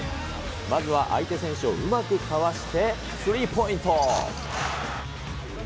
まずは相手選手をうまくかわして、スリーポイント。